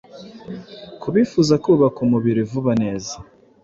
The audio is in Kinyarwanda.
Ku bifuza kubaka umubiri vuba neza